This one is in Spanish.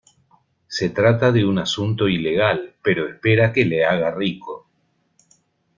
Se trata de un asunto ilegal, pero espera que le haga rico.